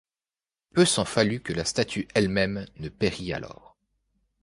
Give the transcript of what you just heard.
Peu s'en fallut que la statue elle-même ne pérît alors.